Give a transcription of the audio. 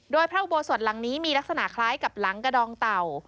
โดยพระอุโบสถหลังนี้มีลักษณะคล้ายกับหลังกระดองเต่า